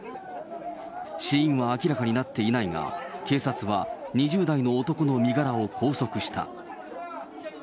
死因は明らかになっていないが、警察は２０代の男の身柄を拘束した。